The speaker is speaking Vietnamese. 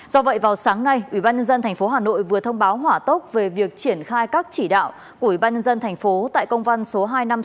do vậy vào sáng nay ủy ban nhân dân tp hà nội vừa thông báo hỏa tốc về việc triển khai các chỉ đạo của ủy ban nhân dân tp tại công văn số hai nghìn năm trăm sáu mươi hai